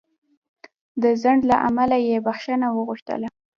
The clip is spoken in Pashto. د ځنډ له امله یې بخښنه وغوښتله.